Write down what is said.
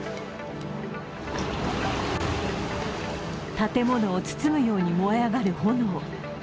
建物を包むように燃え上がる炎。